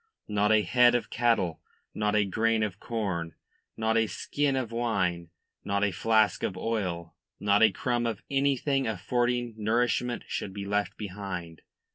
Not a head of cattle, not a grain of corn, not a skin of wine, not a flask of oil, not a crumb of anything affording nourishment should be left behind.